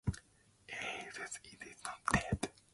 Edgar is not dead?’ I gasped.